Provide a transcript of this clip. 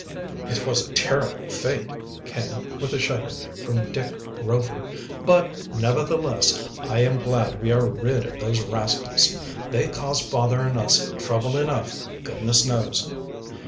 "It was a terrible fate," came, with a shudder, from Dick Rover. "But, nevertheless, I am glad we are rid of those rascals. They caused father and us trouble enough, goodness knows."